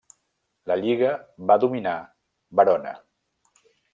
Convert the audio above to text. La lliga va dominar Verona.